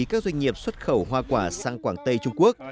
các doanh nghiệp xuất khẩu hoa quả sang quảng tây trung quốc